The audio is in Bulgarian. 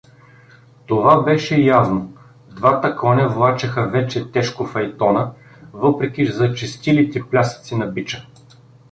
Това беше явно: двата коня влачеха вече тежко файтона, въпреки зачестилите плясъци на бича.